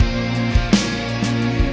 sakit lelah flash dukes